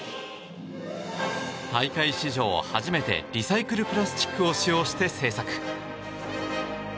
大会史上初めてリサイクルプラスチックを使用して制作。